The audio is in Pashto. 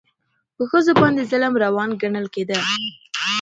په ښځو باندې ظلم روان ګڼل کېده.